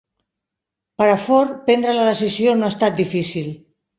Per a Forn prendre la decisió no ha estat difícil